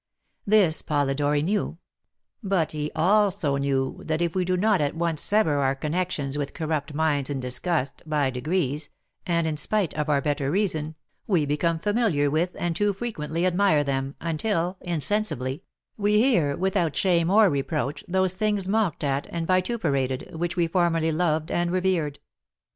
This Polidori knew; but he also knew that if we do not at once sever our connections with corrupt minds in disgust, by degrees, and in spite of our better reason, we become familiar with and too frequently admire them, until, insensibly, we hear without shame or reproach those things mocked at and vituperated which we formerly loved and revered.